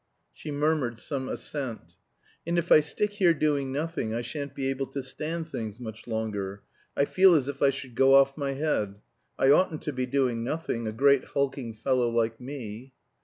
She murmured some assent. "And if I stick here doing nothing I shan't be able to stand things much longer; I feel as if I should go off my head. I oughtn't to be doing nothing, a great hulking fellow like me."